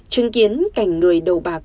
chứng kiến cảnh người đầu bạc